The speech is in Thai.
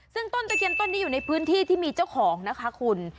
ซึ่งต้นตะเคียนต้นนี้อยู่ในพื้นที่ที่มีเจ้าของนะคะคุณ